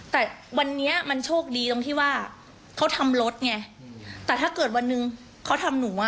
แต่วันนี้มันโชคดีตรงที่ว่าเขาทำรถไงแต่ถ้าเกิดวันหนึ่งเขาทำหนูอ่ะ